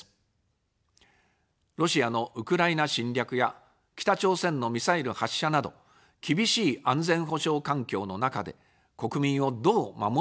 ロシアのウクライナ侵略や北朝鮮のミサイル発射など、厳しい安全保障環境の中で、国民をどう守り抜くか。